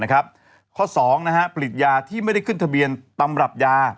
ข้อ๒ผลิตยาที่ไม่ได้ขึ้นทะเบียนตำรับยา